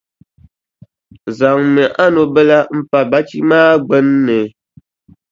Zaŋmi a nubila m-pa bachi maa gbunni.